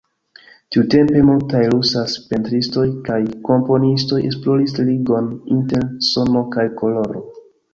Tiutempe multaj rusaj pentristoj kaj komponistoj esploris ligon inter sono kaj koloro.